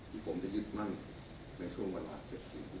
ที่ผมจะยึดมั่นในช่วงเวลา๗ปี